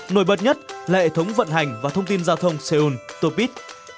nổi bật nhất là hệ thống vận hành và thông tin giao thông seoul topid